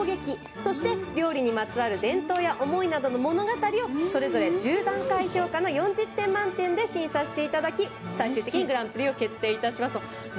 そして、料理にまつわる伝統や思いなどの物語をそれぞれ１０段階評価の４０点満点で審査していただき最終的にグランプリを決定いたします。